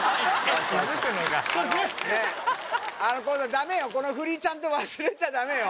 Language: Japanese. ダメよこのフリちゃんと忘れちゃダメよ